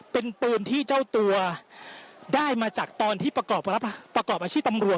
เป็นปืนที่เจ้าตัวได้มาจากตอนที่ประกอบอาชีพตำรวจ